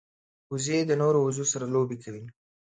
وزې د نورو وزو سره لوبې کوي